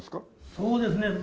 そうですね。